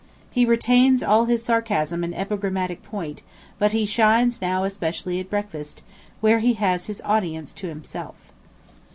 He retains all his sarcasm and epigrammatic point, but he shines now especially at breakfast, where he has his audience to himself.